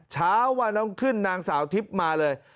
เช้าวันต้องขึ้นนางสาวทิพย์มาเลย